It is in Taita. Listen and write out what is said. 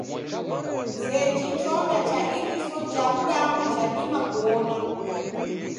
Seji chonda cha iriso ja mdamu chadima kuona.